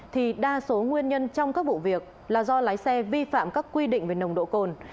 thì đa số nguyên nhân trong các vụ việc là do lái xe vi phạm các quy định về nồng độ cồn